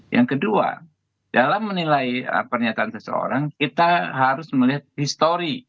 yang kedua dalam menilai pernyataan seseorang kita harus melihat histori